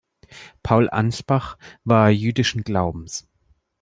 Paul Anspach war jüdischen Glaubens.